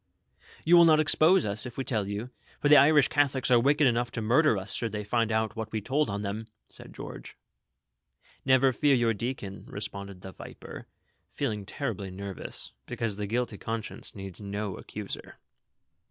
" You will not expose us, if we tell you ; for the Irish Catholics are wicked enough to murder us, should they find out that we told on them," said George. "Never fear your deacon," responded the viper, feeling terribly nervous, because the guilty conscience needs no accuser.